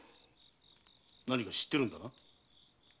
何か知ってるんだな？